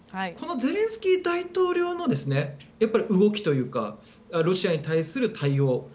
このゼレンスキー大統領の動きというかロシアに対する対応。